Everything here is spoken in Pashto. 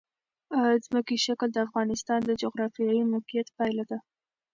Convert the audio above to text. ځمکنی شکل د افغانستان د جغرافیایي موقیعت پایله ده.